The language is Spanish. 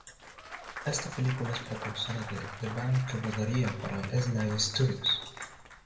Esta película es precursora de The Bank que rodaría para Essanay Studios'.